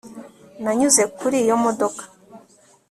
nanyuze kuri iyo modoka